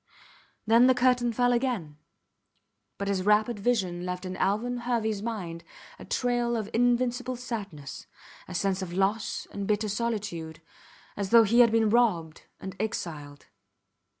Then the curtain fell again, but his rapid vision left in Alvan Herveys mind a trail of invincible sadness, a sense of loss and bitter solitude, as though he had been robbed and exiled.